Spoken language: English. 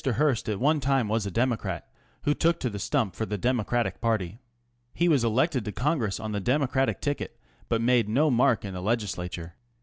Hearst at one time was a Democrat who took the stump for the Democratic party. He was elected to Congress on the Democratic ticket, but made no mark in the legislature.